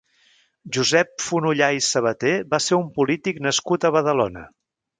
Josep Fonollà i Sabater va ser un polític nascut a Badalona.